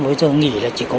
bây giờ nghỉ là chỉ có